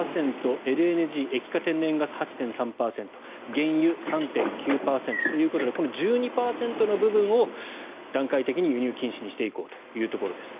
ＬＮＧ・液化天然ガス８．３％原油、３．９％ということで１２％の部分を段階的に輸入禁止にしていこうということです。